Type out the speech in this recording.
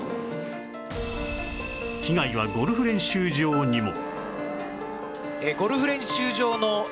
被害はゴルフ練習場にも